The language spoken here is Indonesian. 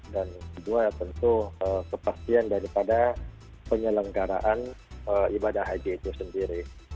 dan kedua ya tentu kepastian daripada penyelenggaraan ibadah haji itu sendiri